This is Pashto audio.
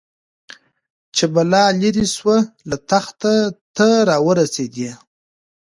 چي بلا ليري سوه له تخته ته راورسېدې